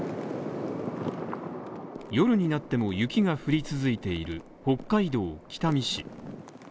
夜になっても雪が降り続いている北海道北見市。